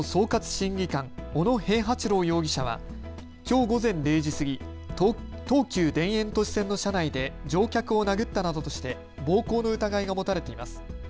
審議官、小野平八郎容疑者はきょう午前０時過ぎ、東急田園都市線の車内で乗客を殴ったなどとして暴行の疑いが持たれています。